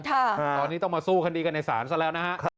ตอนนี้ต้องมาสู้คดีกันในศาลซะแล้วนะฮะ